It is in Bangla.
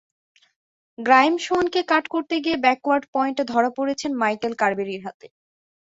গ্রায়েম সোয়ানকে কাট করতে গিয়ে ব্যাকওয়ার্ড পয়েন্টে ধরা পড়েছেন মাইকেল কারবেরির হাতে।